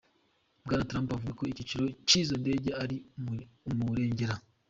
Bwana Trump avuga ko igiciro c'izo ndege ari umurengera.